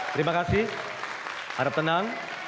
terima kasih harap tenang